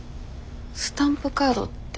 スタンプカードって？